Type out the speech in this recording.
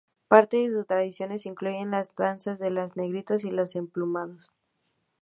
Parte de sus tradiciones incluyen las danzas de los Negritos y los Emplumados.